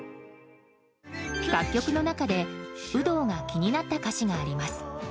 楽曲の中で有働が気になった歌詞があります。